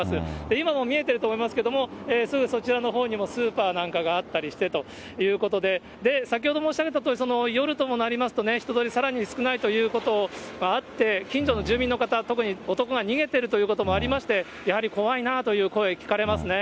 今も見えていると思いますけれども、すぐそちらのほうにもスーパーなんかがあったりしてということで、先ほど申し上げたとおり、夜ともなりますと、人通りさらに少ないということがあって、近所の住民の方、特に男が逃げているということもありまして、やはり怖いなという声、聞かれますね。